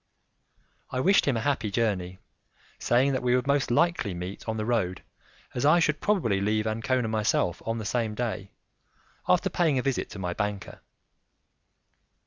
I wished him a happy journey, saying that we would most likely meet on the road, as I should probably leave Ancona myself on the same day, after paying a visit to my banker.